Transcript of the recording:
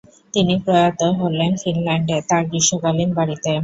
তিনি প্রয়াত হলেন ফিনল্যান্ডে, তার গ্রীষ্মকালীন বাড়িতে।